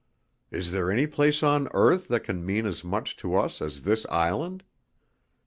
Is there any place on earth that can mean as much to us as this island?